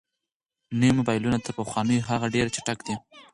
نوي موبایلونه تر پخوانیو هغو ډېر چټک دي.